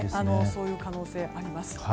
そういう可能性あります。